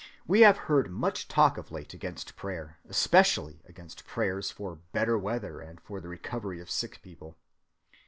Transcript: We have heard much talk of late against prayer, especially against prayers for better weather and for the recovery of sick people.